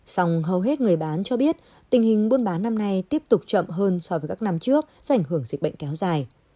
xong hầu hết người bán cho biết tình hình buôn bán năm nay tiếp tục chậm hơn so với các năm trước do ảnh hưởng dịch bệnh kéo dài